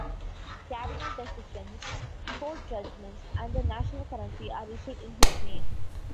Cabinet decisions, court judgments, and the national currency are issued in his name.